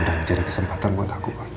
udah menjadi kesempatan buat aku pak